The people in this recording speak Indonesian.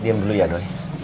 diam dulu ya doi